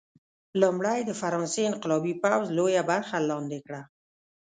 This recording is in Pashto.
لومړی د فرانسې انقلابي پوځ لویه برخه لاندې کړه.